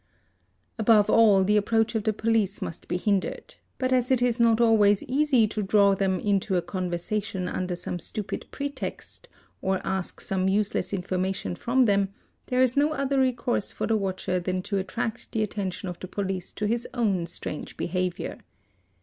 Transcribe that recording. Above all the approach of the police must be hindered ; but as it is not always easy to draw them into a conversation under some stupid pretext or ask some useless information from them, there is no other resource for the watcher than to attract the attention of the police to his own strange behaviour.